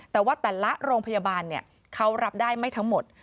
แต่ว่าแต่ละโรงพยาบาลเขารับได้ไม่ทั้งหมด